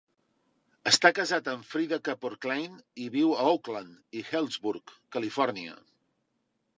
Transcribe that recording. Està casat amb Freada Kapor Klein i viu a Oakland i Healdsburg, Califòrnia.